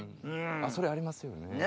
それありますよね。